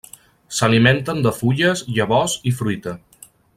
S'alimenten de fulles, llavors i fruita.